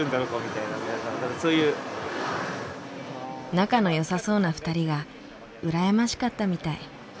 仲のよさそうな２人が羨ましかったみたい。